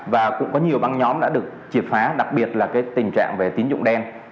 và cũng có nhiều băng nhóm đã được triệt phá đặc biệt là tình trạng về tín dụng đen